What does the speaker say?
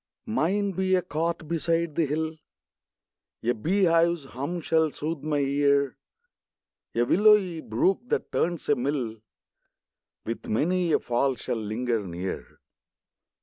Mine be a cot beside the hill, A bee hive's hum shall sooth my ear; A willowy brook, that turns a mill, With many a fall shall linger near.